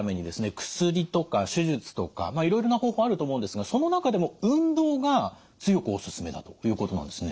薬とか手術とかいろいろな方法あると思うんですがその中でも運動が強くおすすめだということなんですね。